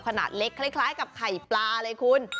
ขนาดเล็กคล้ายกับไข่ปลาเลยคุณ